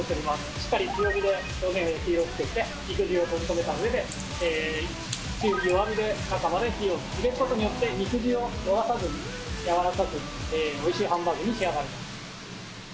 しっかり強火で表面に焼き色をつけて、肉汁を閉じ込めたうえで中火、弱火で中まで火を入れることによって、肉汁を逃さずに柔らかくおいしいハンバーグに仕上がります。